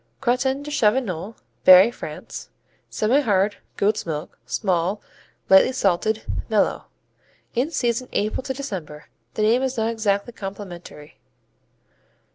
Crottin de Chavignol Berry, France Semihard; goat's milk; small; lightly salted; mellow. In season April to December. The name is not exactly complimentary.